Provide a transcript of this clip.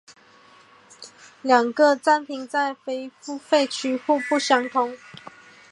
两个站厅在非付费区互不相通。